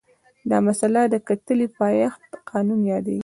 دا مسئله د کتلې د پایښت قانون یادیږي.